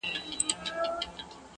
o سم به خو دوى راپسي مه ږغوه.